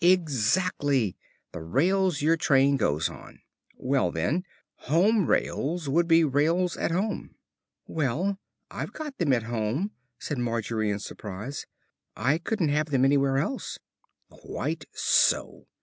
"Exactly. The rails your train goes on. Well, then, 'Home Rails' would be rails at home." "Well, I've got them at home," said Margery in surprise. "I couldn't have them anywhere else." "Quite so.